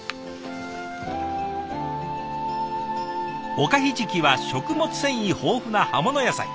おかひじきは食物繊維豊富な葉物野菜。